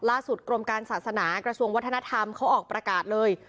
กรมการศาสนากระทรวงวัฒนธรรมเขาออกประกาศเลย